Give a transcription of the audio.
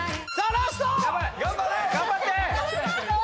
ラスト！